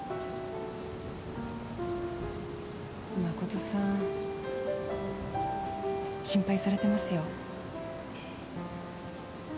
誠さん心配されてますよ。